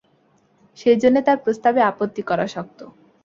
সেইজন্যে তার প্রস্তাবে আপত্তি করা শক্ত।